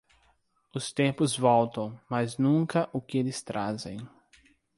Os tempos voltam, mas nunca o que eles trazem.